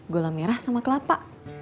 gula merah sama kelapa